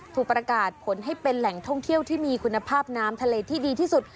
ถูกประกาศผลให้เป็นแหล่งท่องเที่ยวที่มีคุณภาพน้ำทะเลที่ดีที่สุด